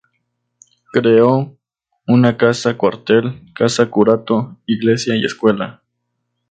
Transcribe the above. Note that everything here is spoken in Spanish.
Creó una casa cuartel, casa curato, iglesia y escuela.